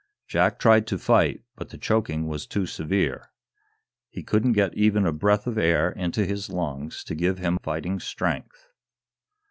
Jack tried to fight, but the choking was too severe. He couldn't get even a breath of air into his lungs to give him fighting strength.